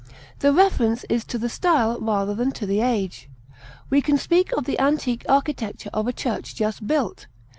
The reference is to the style rather than to the age. We can speak of the antique architecture of a church just built.